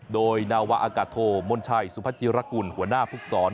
โดยนาวะอากาศโทมนชัยสุพัชิรกุลหัวหน้าภูกษร